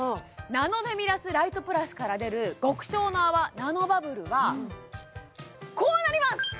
ナノフェミラスライトプラスから出る極小の泡ナノバブルはこうなります！